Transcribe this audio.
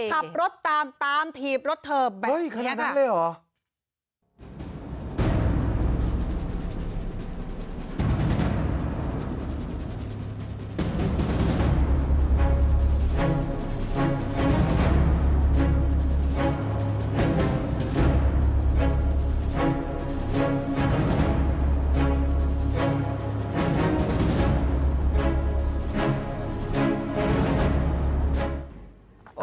ขับรถตามถีบรถเธอแบบนี้ค่ะเฮ่ยคณะนั้นเลยเหรอ